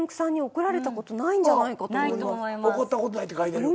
怒ったことないって書いてる。